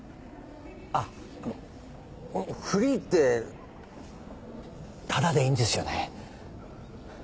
あっあの「フリー」ってタダでいいんですよね？